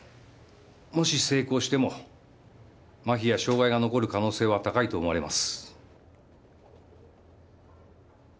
もし成功してもまひや障害が残る可能性は高いと思われます。